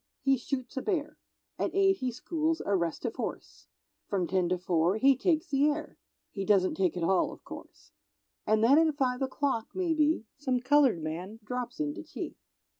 he shoots a bear, At 8 he schools a restive horse, From 10 to 4 he takes the air, (He doesn't take it all, of course); And then at 5 o'clock, maybe, Some colored man drops in to tea.